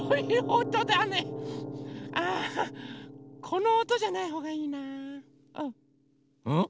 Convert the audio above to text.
このおとじゃないほうがいいなうん。